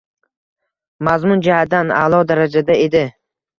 Mazmun jihatidan a’lo darajada edi.